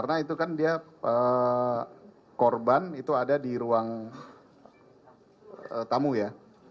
karena itu kan dia korban itu ada di ruang tamu ya